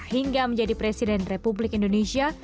hingga menjadi presiden republik indonesia